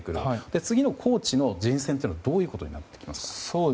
次のコーチの人選はどういうことになってきますか。